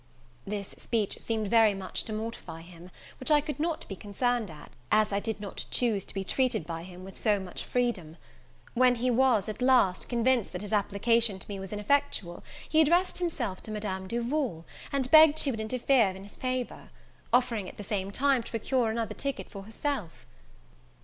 This speech seemed very much to mortify him; which I could not be concerned at, as I did not choose to be treated by him with so much freedom. When he was, at last, convinced that his application to me was ineffectual, he addressed himself to Madame Duval, and begged she would interfere in his favour; offering at the same time to procure another ticket for herself.